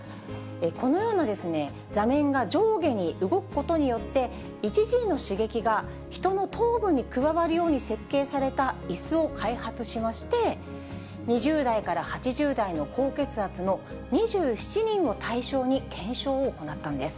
このような座面が上下に動くことによって、１Ｇの刺激が人の頭部に加わるように設計されたいすを開発しまして、２０代から８０代の高血圧の２７人を対象に検証を行ったんです。